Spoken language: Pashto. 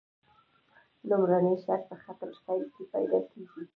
لومړنی شک په خط السیر کې پیدا کیږي.